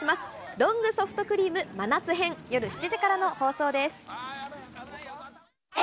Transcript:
ロングソフトクリーム真夏編、夜７時からの放送です。